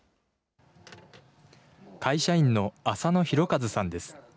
会社員の浅野裕計さんです。